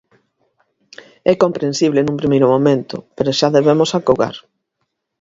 É comprensible nun primeiro momento, pero xa debemos acougar.